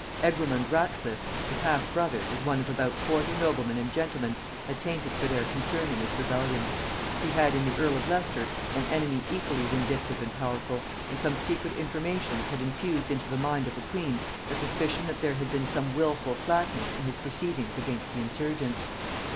Egremond Ratcliffe his half brother was one of about forty noblemen and gentlemen attainted for their concern in this rebellion; he had in the earl of Leicester an enemy equally vindictive and powerful; and some secret informations had infused into the mind of the queen a suspicion that there had been some wilful slackness in his proceedings against the insurgents.